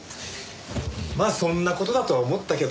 まあそんな事だとは思ったけど。